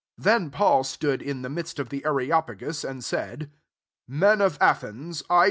22 Then Paul stood in tiie midst of the Areopagus, and said, "Men of Athens, I.